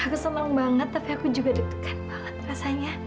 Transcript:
aku senang banget tapi aku juga deg degan banget rasanya